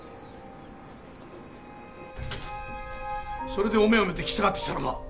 それでおめおめと引き下がってきたのか？